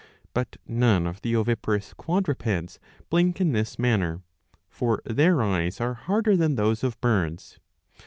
But none of the oviparous quadrupeds blink in this manner." For their eyes are harder than those of birds.